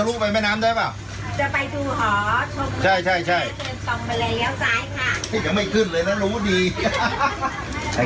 ลูกมายแม่นำได้ป่ะจะไปดูอ๋อใช่ใช่ใช่